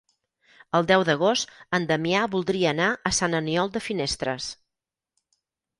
El deu d'agost en Damià voldria anar a Sant Aniol de Finestres.